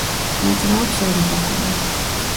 მოძრაობს ორი ვაგონი.